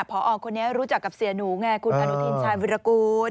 พอคนนี้รู้จักกับเสียหนูไงคุณอนุทินชายวิรากูล